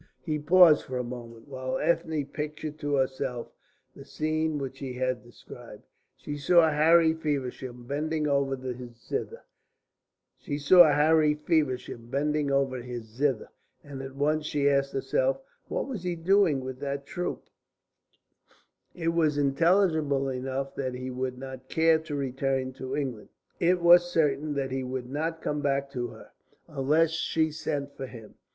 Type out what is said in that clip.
He paused for a moment, while Ethne pictured to herself the scene which he had described. She saw Harry Feversham bending over his zither, and at once she asked herself, "What was he doing with that troupe?" It was intelligible enough that he would not care to return to England. It was certain that he would not come back to her, unless she sent for him.